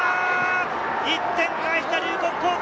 １点返した龍谷高校！